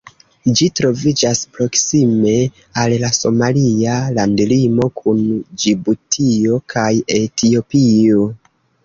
Ĝi troviĝas proksime al la somalia landlimo kun Ĝibutio kaj Etiopio.